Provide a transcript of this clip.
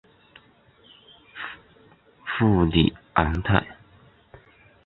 布里昂泰。